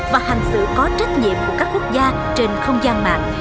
và hành sự có trách nhiệm của các quốc gia trên không gian mạng